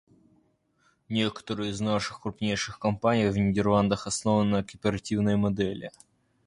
Некоторые из наших крупнейших компаний в Нидерландах основаны на кооперативной модели.